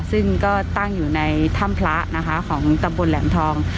ซึ่งก็ตั้งอยู่ในถ้ำพระนะคะของตำบลแหลมทอง